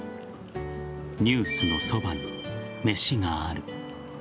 「ニュースのそばに、めしがある。」